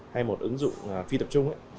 hay một ứng dụng thi tập trung